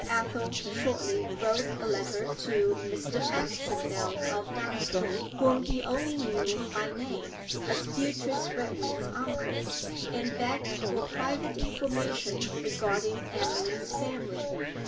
Athel shortly wrote a letter to Mr. Baxendale of Dunfield, whom he only knew by name as Beatrice Redwing's uncle, and begged for private information regarding Emily's family.